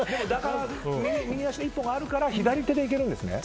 右足の一歩があるから左手でいけるんですね。